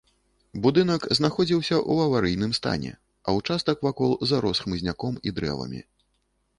Будынак знаходзіўся ў аварыйным стане, а ўчастак вакол зарос хмызняком і дрэвамі.